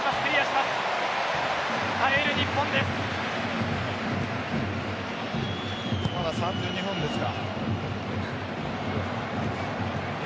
まだ３２分ですか。